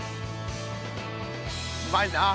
うまいなあ。